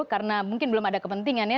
karena mungkin belum ada kepentingannya